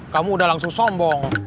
kamu udah langsung sombong